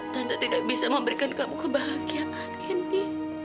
tante tidak bisa memberikan kamu kebahagiaan candy